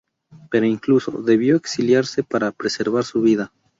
Piero, incluso, debió exiliarse para preservar su vida.